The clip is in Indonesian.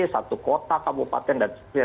satu kota kabupaten dan seterusnya